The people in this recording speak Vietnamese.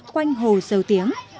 quanh hồ sâu tiếng